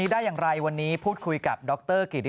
เพราะว่าก่อนหน้านี้ย้อนกลับไปโอ้โหสรรสะเทินวงการยันยนต์นะครับอาจารย์